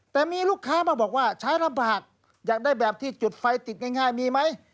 แต่มีลูกค้ามาบอกว่าใช้ลำบากอยากได้แบบที่จุดไฟติดง่ายมีไหม